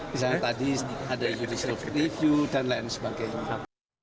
misalnya tadi ada judicial review dan lain sebagainya